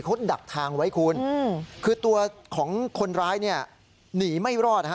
เขาดักทางไว้คุณคือตัวของคนร้ายเนี่ยหนีไม่รอดฮะ